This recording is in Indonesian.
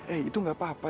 eh itu gak apa apa